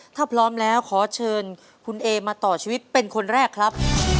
ถ้าพร้อมแล้วขอเชิญคุณเอมาต่อชีวิตเป็นคนแรกครับ